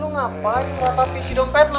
lo ngapain meratapi si dompet lo